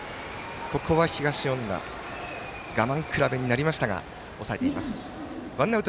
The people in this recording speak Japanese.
ここは東恩納我慢比べになりましたが抑えています。